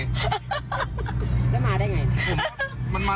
แล้วมาได้ไง